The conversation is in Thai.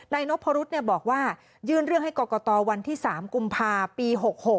นพรุษบอกว่ายื่นเรื่องให้กรกตวันที่๓กุมภาปี๖๖